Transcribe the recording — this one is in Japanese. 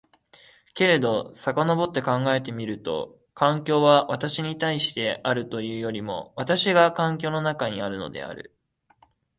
けれど翻って考えてみると、環境は私に対してあるというよりも私が環境の中にあるのである。